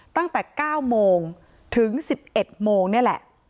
ตั้งแต่เก้าโมงถึงสิบเอ็ดโมงนี่แหละ